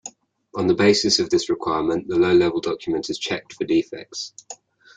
On the basis of this requirement the low-level document is checked for defects.